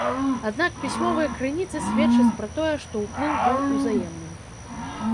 Аднак пісьмовыя крыніцы сведчаць пра тое, што ўплыў быў узаемным.